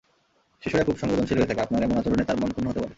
শিশুরা খুব সংবেদনশীল হয়ে থাকে, আপনার এমন আচরণে তার মনঃক্ষুণ্ন হতে পারে।